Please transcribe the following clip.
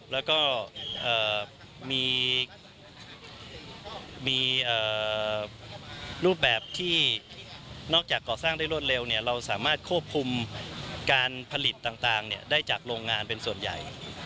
แล้วก็มีรูปแบบที่นอกจากก่อสร้างได้รวดเร็วเราสามารถควบคุมการผลิตต่างได้จากโรงงานเป็นส่วนใหญ่